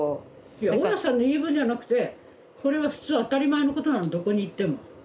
いや大家さんの言い分じゃなくてこれは普通当たり前のことなのどこに行っても。